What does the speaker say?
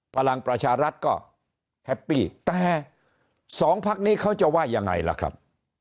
พลังประชารัฐก็แฮปปี้แต่สองพักนี้เขาจะว่ายังไงล่ะครับ